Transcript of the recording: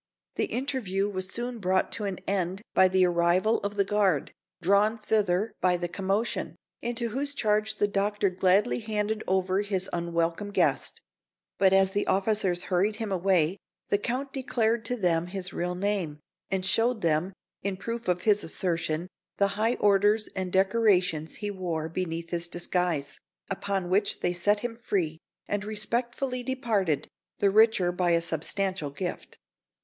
The interview was soon brought to an end by the arrival of the guard, drawn thither by the commotion, into whose charge the Doctor gladly handed over his unwelcome guest; but as the officers hurried him away the Count declared to them his real name, and showed them, in proof of his assertion, the high orders and decorations he wore beneath his disguise, upon which they set him free, and respectfully departed, the richer by a substantial gift.